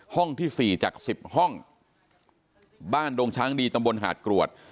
ห้องที่สี่จากสิบห้องบ้านโดงช้างดีตำบลหาดกรวด